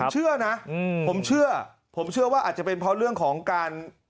เชื่อนะผมเชื่อผมเชื่อว่าอาจจะเป็นเพราะเรื่องของการ